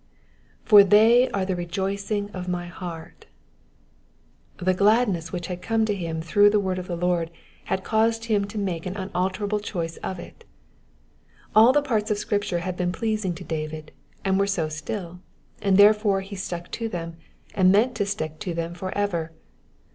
''"'Far they are the rejoicing of my hearf^ The gladness which had come to him through the word of the Lord had caused him to make an unalterable choice of it. All the parts of Scripture had been pleasing to David, and were so still, and therefore he stuck to them, and meant to stick to them for ever.